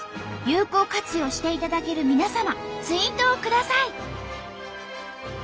有効活用していただける皆様ツイートをください！」。